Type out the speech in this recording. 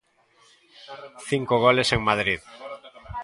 Cinco goles en Madrid.